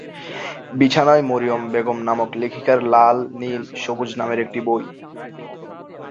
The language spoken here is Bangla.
বিছানায় মরিয়ম বেগম নামক লেখিকার লাল, নীল সবুজ নামের একটি বই।